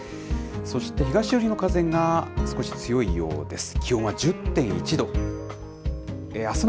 そして東寄りの風が少し強いようです。